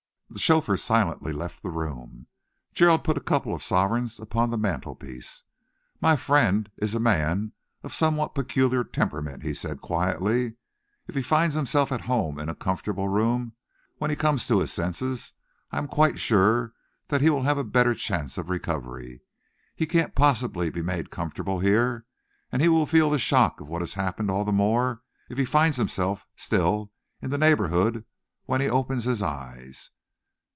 The chauffeur silently left the room. Gerald put a couple of sovereigns upon the mantelpiece. "My friend is a man of somewhat peculiar temperament," he said quietly. "If he finds himself at home in a comfortable room when he comes to his senses, I am quite sure that he will have a better chance of recovery. He cannot possibly be made comfortable here, and he will feel the shock of what has happened all the more if he finds himself still in the neighbourhood when he opens his eyes.